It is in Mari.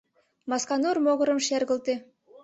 Масканур могырым шергылте.